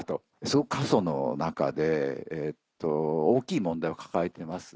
すごく過疎の中で大きい問題を抱えてます。